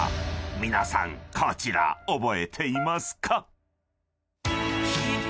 ［皆さんこちら覚えていますか？］